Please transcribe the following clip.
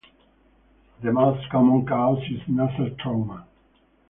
The most common cause is nasal trauma.